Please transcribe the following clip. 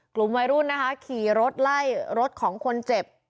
กลุ่มวัยรุ่นนะคะขี่รถไล่รถของคนเจ็บ